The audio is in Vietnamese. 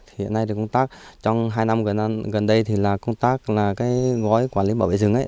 hiện nay thì công tác trong hai năm gần đây thì là công tác là cái gói quản lý bảo vệ rừng ấy